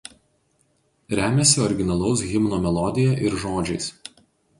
Remiasi originalaus himno melodija ir žodžiais.